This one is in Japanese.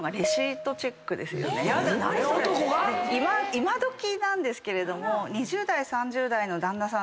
今どきなんですけれども。